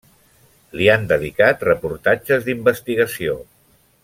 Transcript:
Li han dedicat reportatges d'investigació.